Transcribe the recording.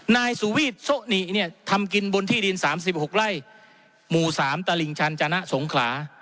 นายสุวีทโซะนิเนี่ยทำกินบนที่ดิน๓๖ไร่หมู่๓ตลิ่งชันจนะสงขลา